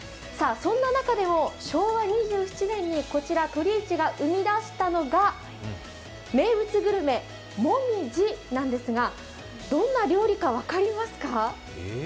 そんな中でも昭和２７年に鳥市が生み出したのが名物グルメ・もみじなんですがどんな料理か分かりますか？